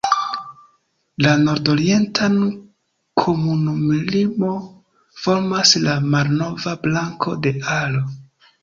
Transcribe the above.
La nordorientan komunumlimo formas la malnova brako de Aro.